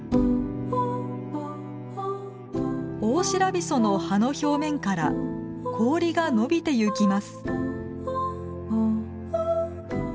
オオシラビソの葉の表面から氷が伸びてゆきます。